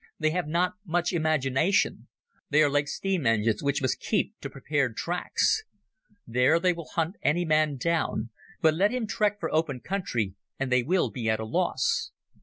They have not much imagination. They are like steam engines which must keep to prepared tracks. There they will hunt any man down, but let him trek for open country and they will be at a loss.